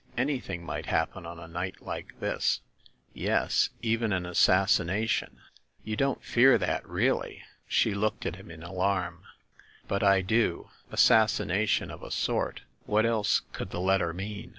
Anything might happen on a night like this!" "Yes, even an assasination." "You don't fear that, really?" She looked at him in alarm. "But I do, ‚ÄĒ assassination of a sort. What else could the letter mean?"